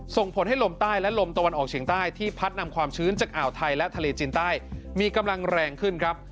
ส่งผลให้ลมใต้และลมตะวันออกเฉียงใต้ที่พัดนำความชื้นจากอ่าวไทยและทะเลจีนใต้มีกำลังแรงขึ้นครับ